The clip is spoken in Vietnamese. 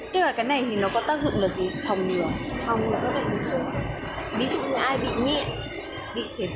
chính là cái ghế massage này nó rất là cao cấp